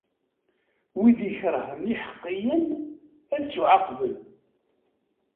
Wid ikerhen iḥeqqiyen, ad ttuɛaqben.